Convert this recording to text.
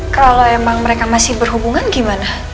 kalau emang mereka masih berhubungan gimana